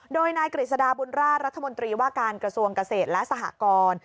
โดยนายกฤษฎาบุญราชรัฐมนตรีว่าการกระทรวงเกษตรและสหกร